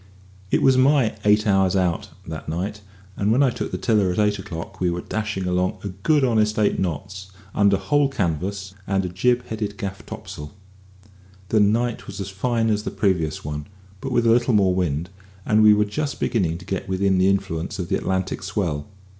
It was my "eight hours out" that night, and when I took the tiller at eight o'clock we were dashing along a good honest eight knots, under whole canvas and a jib headed gaff topsail. The night was as fine as the previous one, but with a little more wind, and we were just beginning to get within the influence of the Atlantic swell.